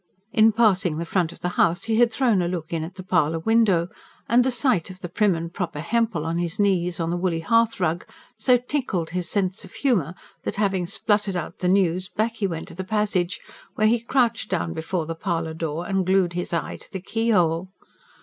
In passing the front of the house he had thrown a look in at the parlour window; and the sight of the prim and proper Hempel on his knees on the woolly hearthrug so tickled his sense of humour that, having spluttered out the news, back he went to the passage, where he crouched down before the parlour door and glued his eye to the keyhole.